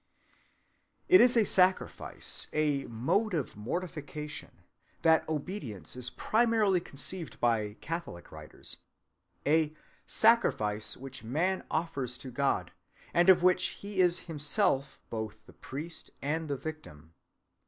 It is as a sacrifice, a mode of "mortification," that obedience is primarily conceived by Catholic writers, a "sacrifice which man offers to God, and of which he is himself both the priest and the victim.